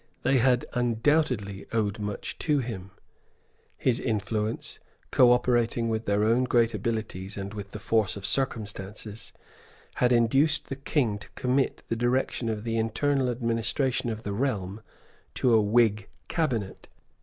They had undoubtedly owed much to him. His influence, cooperating with their own great abilities and with the force of circumstances, had induced the King to commit the direction of the internal administration of the realm to a Whig Cabinet.